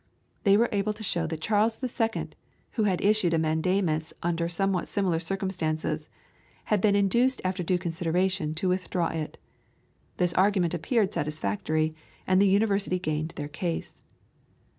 They were able to show that Charles the Second, who had issued a MANDAMUS under somewhat similar circumstances, had been induced after due consideration to withdraw it. This argument appeared satisfactory, and the University gained their case.